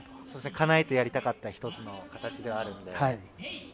かなえてやりたかった一つの形ではあるんで。